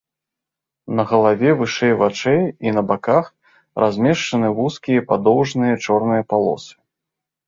На галаве вышэй вачэй і на баках размешчаны вузкія падоўжныя чорныя палосы.